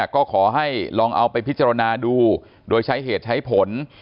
ก็ขอให้ลองเอาไปพิจารณาดูโดยใช้เหตุใช้ผล